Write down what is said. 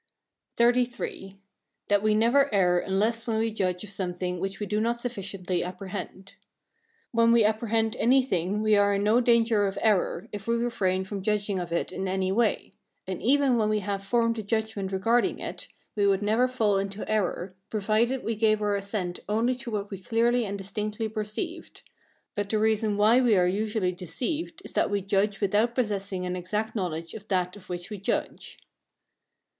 XXXIII. That we never err unless when we judge of something which we do not sufficiently apprehend. When we apprehend anything we are in no danger of error, if we refrain from judging of it in any way; and even when we have formed a judgment regarding it, we would never fall into error, provided we gave our assent only to what we clearly and distinctly perceived; but the reason why we are usually deceived, is that we judge without possessing an exact knowledge of that of which we judge.